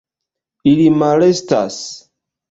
Ili malestas.